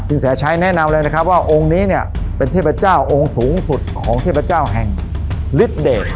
แสชัยแนะนำเลยนะครับว่าองค์นี้เนี่ยเป็นเทพเจ้าองค์สูงสุดของเทพเจ้าแห่งฤทธเดช